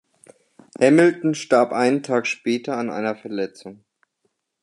Hamilton starb einen Tag später an einer Verletzung.